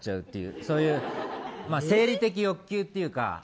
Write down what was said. そういう生理的欲求っていうか。